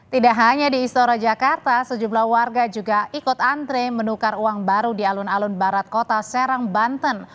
tidak hanya di istora jakarta sejumlah warga juga ikut antre menukar uang baru di alun alun barat kota serang banten